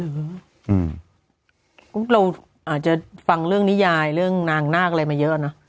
เราอาจจะฟังเรื่องนิยายเรื่องนางนาคอะไรมาเยอะนะ